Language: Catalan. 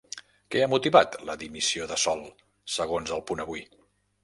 Què ha motivat la dimissió de Sol segons El Punt Avui?